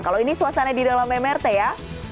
kalau ini suasana di dalam mrt ya